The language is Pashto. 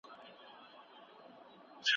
انسان نسي کولای له غولولو تیر سي.